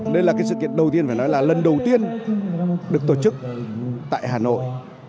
đây là sự kiện đầu tiên phải nói là lần đầu tiên được tổ chức tại hà nội